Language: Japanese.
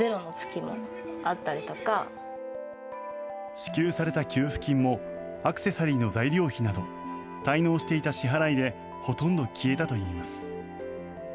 支給された給付金もアクセサリーの材料費など滞納していた支払いでほとんど消えたといいます。